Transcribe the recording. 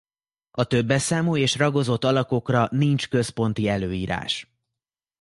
A többes számú és ragozott alakokra nincs központi előírás.